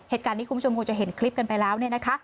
เหตุการณ์ที่คุณผู้ชมพูดจะเห็นคลิปกันไปแล้วเนี่ยนะคะ